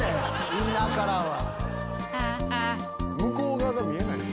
インナーカラーは。